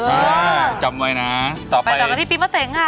เออจำไว้นะต่อไปไปต่อกันที่ปีเมื่อเสียงค่ะ